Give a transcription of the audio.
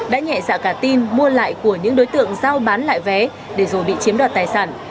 đã nhẹ dạ cả tin mua lại của những đối tượng giao bán lại vé để rồi bị chiếm đoạt tài sản